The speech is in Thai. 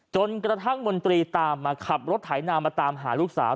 จนกระทั่งมนตรีตามมาขับรถไถนามาตามหาลูกสาว